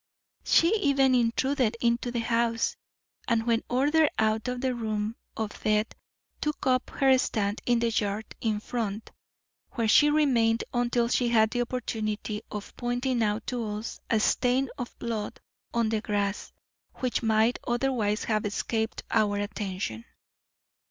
She even intruded into the house; and when ordered out of the room of death took up her stand in the yard in front, where she remained until she had the opportunity of pointing out to us a stain of blood on the grass, which might otherwise have escaped our attention."